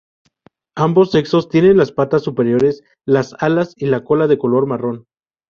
Ambos sexos tienen las partes superiores, las alas y la cola de color marrón.